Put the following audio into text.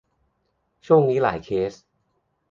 ช่วงนี้หลายเคส